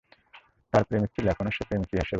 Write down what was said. তার প্রেমিক ছিল, এখনও সে প্রেমিক হিসেবেই আছে।